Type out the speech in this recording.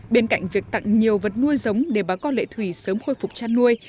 bên cạnh việc tặng nhiều vật nuôi giống để bà con lệ thủy sớm khôi phục chăn nuôi